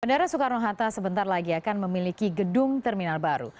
bandara soekarno hatta sebentar lagi akan memiliki gedung terminal baru